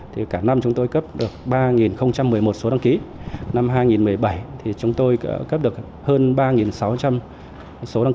thì cả năm chúng tôi cấp được ba một mươi một số đăng ký năm hai nghìn một mươi bảy thì chúng tôi cấp được hơn ba sáu trăm linh số đăng ký